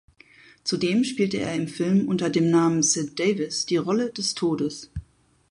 Zudem spielte er im Film unter dem Namen Sid Davis die Rolle des Todes.